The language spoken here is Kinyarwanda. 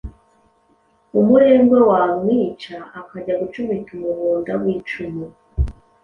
umurengwe wamwica akajya gucumita umuhunda w’icumu